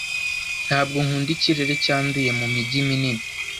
Ntabwo nkunda ikirere cyanduye mumijyi minini.